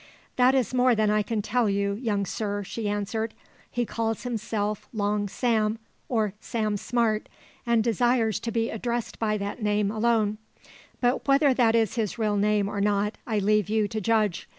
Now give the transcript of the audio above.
"That is more than I can tell you, young sir," she answered. "He calls himself Long Sam, or Sam Smart, and desires to be addressed by that name alone; but whether that is his real name or not, I leave you to judge.